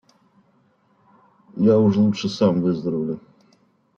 Я уж лучше сам выздоровлю.